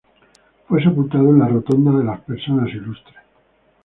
Fue sepultado en la Rotonda de las Personas Ilustres.